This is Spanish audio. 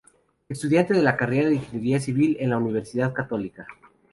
Estudiante de la carrera de Ingeniería Civil en la Universidad Católica.